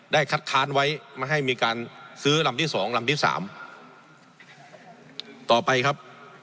คัดค้านไว้ไม่ให้มีการซื้อลำที่สองลำที่สามต่อไปครับ